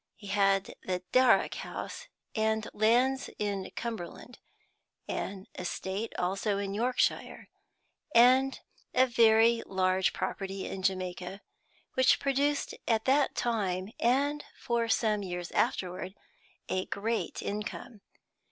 He had the Darrock house and lands in Cumberland, an estate also in Yorkshire, and a very large property in Jamaica, which produced, at that time and for some years afterward, a great income.